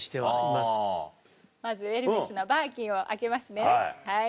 まずエルメスのバーキンを開けますねはい。